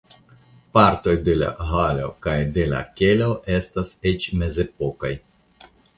Partoj de la halo kaj de la kelo estas eĉ mezepokaj.